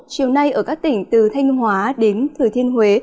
chiều nay ở các tỉnh từ thanh hóa đến thừa thiên huế